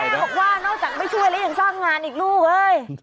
บอกว่านอกจากไม่ช่วยแล้วยังสร้างงานอีกลูกเอ้ย